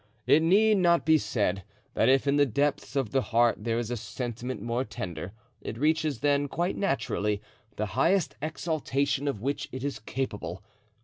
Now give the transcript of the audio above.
It need not be said that if in the depths of the heart there is a sentiment more tender, it reaches then, quite naturally, the highest exaltation of which it is capable.